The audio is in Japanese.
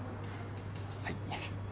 はい。